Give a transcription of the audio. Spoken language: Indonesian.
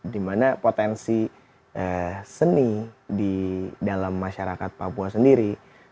dimana potensi seni di dalam masyarakat papua sendiri